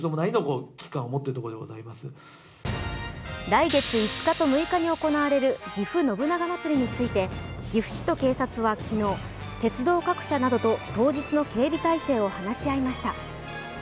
来月５日と６日に行われるぎふ信長まつりについて岐阜市と警察は昨日、鉄道各社などと当日の警備態勢を話し合いました。